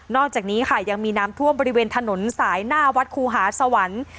อกจากนี้ค่ะยังมีน้ำท่วมบริเวณถนนสายหน้าวัดครูหาสวรรค์